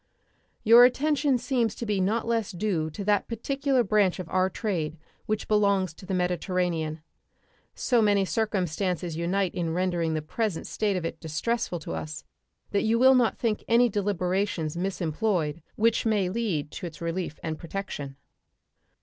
Your attention seems to be not less due to that particular branch of our trade which belongs to the Mediterranean. So many circumstances unite in rendering the present state of it distressful to us that you will not think any deliberations misemployed which may lead to its relief and protection.